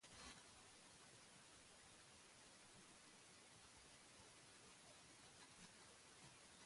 The security of their scheme was based on the well-studied Quadratic residuosity problem.